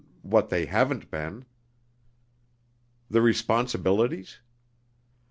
what they haven't been! The responsibilities?